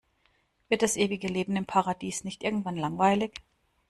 Wird das ewige Leben im Paradies nicht irgendwann langweilig?